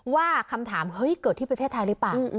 ว่าคำถามเฮ้ยเกิดที่ประเทศไทยหรือเปล่า